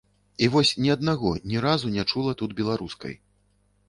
І вось ні аднаго, ні разу не чула тут беларускай.